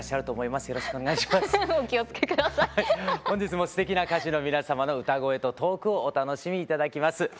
本日もすてきな歌手の皆様の歌声とトークをお楽しみ頂きます。